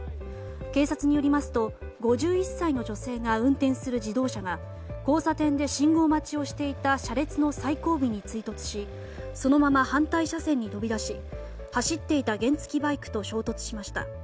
警察によりますと５１歳の女性が運転する自動車が交差点で信号待ちをしていた車列の最後尾に追突しそのまま反対車線に飛び出し走っていた原付きバイクと衝突しました。